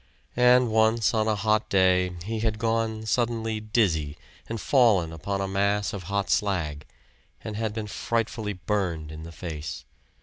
And once on a hot day he had gone suddenly dizzy, and fallen upon a mass of hot slag, and been frightfully burned in the face.